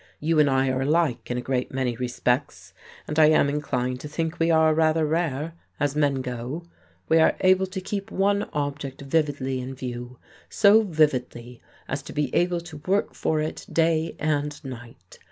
You and I are alike in a great many respects, and I am inclined to think we are rather rare, as men go. We are able to keep one object vividly in view, so vividly as to be able to work for it day and night.